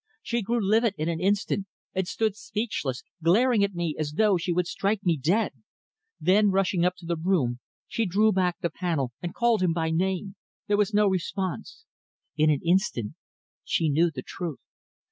She grew livid in an instant, and stood speechless, glaring at me as though she would strike me dead. Then rushing up to the room she drew back the panel and called him by name. There was no response. In an instant she knew the truth.